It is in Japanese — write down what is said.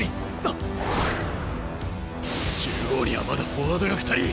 中央にはまだフォワードが２人！